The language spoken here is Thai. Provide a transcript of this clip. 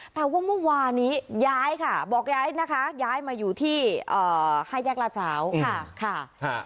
แต่ว่าเมื่อวานี้ย้ายค่ะบอกย้ายนะคะย้ายมาอยู่ที่๕แยกลาดพร้าวค่ะ